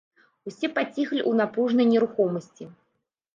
Усе паціхлі ў напружнай нерухомасці.